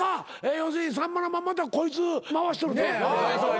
要するに『さんまのまんま』とかこいつ回しとるで。